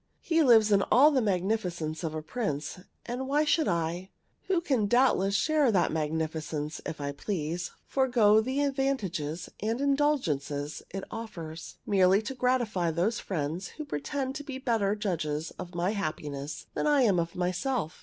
He lives in all the magnificence of a prince: and why should I, who can doubtless share that magnificence if I please, forego the advantages and indulgences it offers, merely to gratify those friends who pretend to be better judges of my happiness than I am myself?